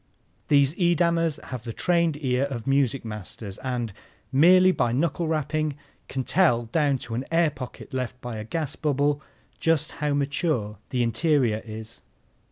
These Edamers have the trained ear of music masters and, merely by knuckle rapping, can tell down to an air pocket left by a gas bubble just how mature the interior is.